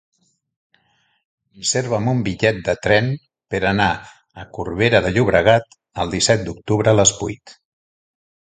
Reserva'm un bitllet de tren per anar a Corbera de Llobregat el disset d'octubre a les vuit.